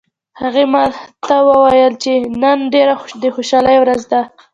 هغې ما ته وویل چې نن ډیره د خوشحالي ورځ ده